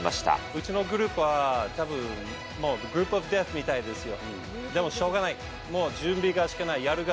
うちのグループは、たぶんもうグループオブデスみたいですよ。